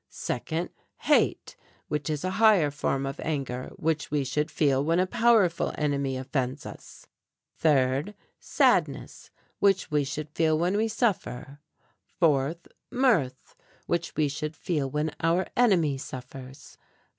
Second, hate, which is a higher form of anger, which we should feel when a powerful enemy offends us. Third, sadness, which we should feel when we suffer. Fourth, mirth, which we should feel when our enemy suffers.